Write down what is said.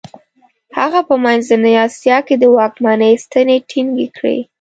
هغه په منځنۍ اسیا کې د واکمنۍ ستنې ټینګې کړې.